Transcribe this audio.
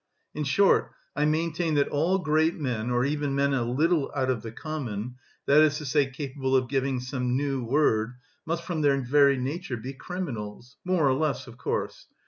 In short, I maintain that all great men or even men a little out of the common, that is to say capable of giving some new word, must from their very nature be criminals more or less, of course.